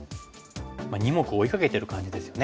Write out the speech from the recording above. ２目を追いかけてる感じですよね。